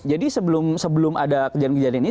jadi sebelum ada kejadian kejadian ini